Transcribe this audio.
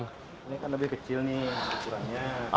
ini kan lebih kecil nih ukurannya